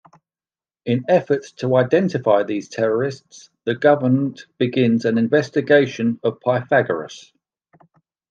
In efforts to identify these terrorists, the government begins an investigation of Pythagoras.